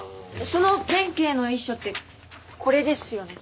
その弁慶の衣装ってこれですよね。